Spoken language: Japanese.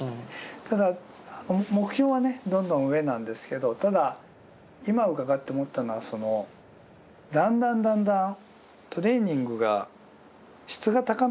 ただ目標はねどんどん上なんですけどただ今伺って思ったのはだんだんだんだんトレーニングが質が高められるんですね。